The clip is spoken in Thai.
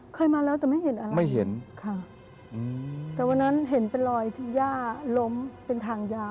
เคยมาแล้วแต่ไม่เห็นอะไรไม่เห็นค่ะแต่วันนั้นเห็นเป็นรอยที่ย่าล้มเป็นทางยาว